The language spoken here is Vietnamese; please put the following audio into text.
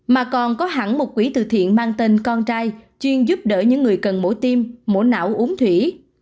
mà còn có hẳn một quỹ từ thiện mang tên con trai chuyên giúp đỡ những người cần mổ tim mổ não uống thủy